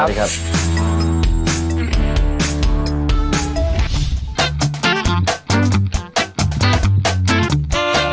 สวัสดีครับ